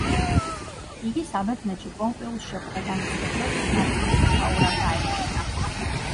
იგი საბერძნეთში პომპეუსს შეხვდა და მისი ფლოტის ნაწილის მეთაურად დაინიშნა.